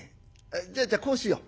じゃあじゃあこうしよう。